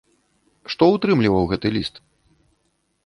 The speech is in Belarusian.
Што ўтрымліваў гэты ліст?